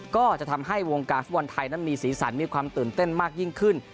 ก็จะทำให้วงการฟุตบอลไทยนั้นมีสีสันมีความตื่นเต้นมากยิ่งขึ้น